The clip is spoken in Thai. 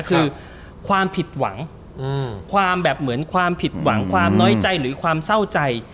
คือความผิดหวังความแบบเหมือนความผิดหวังความน้อยใจหรือความเศร้าใจ